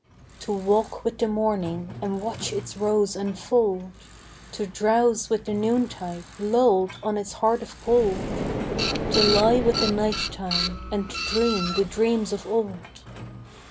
To walk with the morning and watch its rose unfold; To drowse with the noontide lulled on its heart of gold; To lie with the night time and dream the dreams of old.